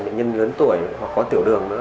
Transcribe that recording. bệnh nhân lớn tuổi hoặc có tiểu đường nữa